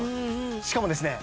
しかもですね